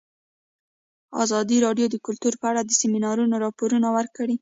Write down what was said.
ازادي راډیو د کلتور په اړه د سیمینارونو راپورونه ورکړي.